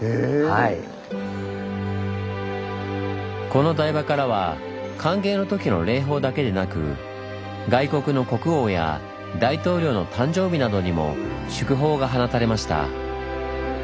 この台場からは歓迎のときの礼砲だけでなく外国の国王や大統領の誕生日などにも祝砲が放たれました。